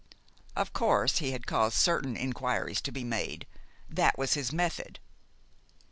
Of course, he had caused certain inquiries to be made that was his method.